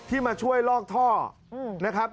ที่มาช่วยลอกท่อที่ถนนหัวตะเข้เขตรักกะบังกรงเทพมหานคร